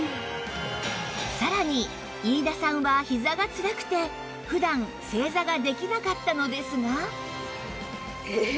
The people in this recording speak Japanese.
さらに飯田さんはひざがつらくて普段正座ができなかったのですが